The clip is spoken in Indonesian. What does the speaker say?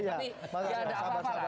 tapi nggak ada apa apa lah